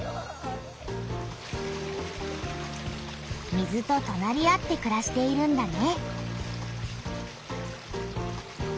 水ととなり合ってくらしているんだね。